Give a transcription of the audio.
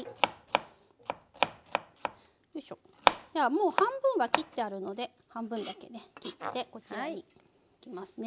ではもう半分は切ってあるので半分だけね切ってこちらに置きますね。